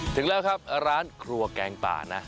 ถึงแล้วครับร้านครัวแกงป่านะ